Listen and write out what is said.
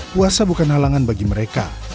puasa bukan halangan bagi mereka